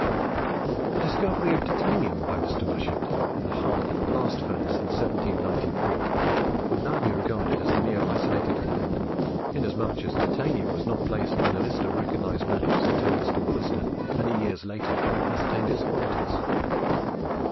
The discovery of Titanium by Mr. Mushet in the hearth of a blast furnace in 1794 would now be regarded as a mere isolated fact, inasmuch as Titanium was not placed in the list of recognised metals until Dr. Wollaston, many years later, ascertained its qualities.